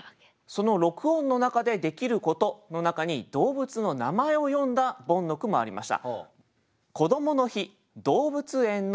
その６音の中でできることの中に動物の名前を詠んだボンの句もありました。